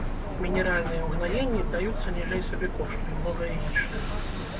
Мінеральныя ўгнаенні даюцца ніжэй сабекошту, і многае іншае.